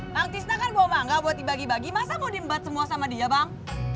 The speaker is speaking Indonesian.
pak tisna kan bawa mangga buat dibagi bagi masa mau diembat semua sama dia bang